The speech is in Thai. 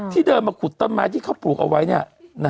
เดินมาขุดต้นไม้ที่เขาปลูกเอาไว้